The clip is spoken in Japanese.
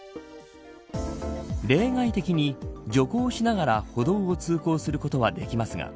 例外的に徐行しながら歩道を通行することはできますが